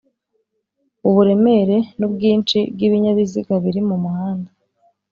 Uburemere n’ ubwinshi bw ibinyabiziga biri mu muhanda